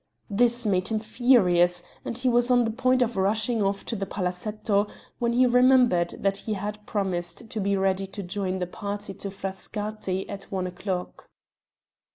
This made him furious, and he was on the point of rushing off to the palazetto when he remembered that he had promised to be ready to join the party to Frascati at one o'clock.